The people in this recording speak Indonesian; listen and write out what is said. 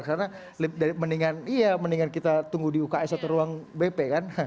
karena mendingan kita tunggu di uks atau ruang bp kan